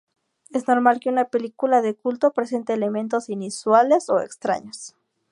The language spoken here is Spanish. Es normal que una película de culto presente elementos inusuales o extraños.